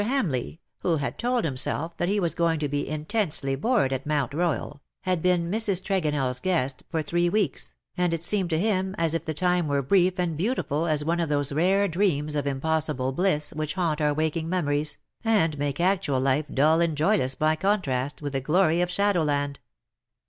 Hamleigh, who had told himself that he was going to be intensely bored at Mount Koyal, had been Mrs. TregonelFs guest for three weeks, and it seemed to him as if the time were brief and beau tiful as one of those rare dreams of impossible bliss which haunt our waking memories, and make actual life dull and joyless by contrast with the glory of shadowland.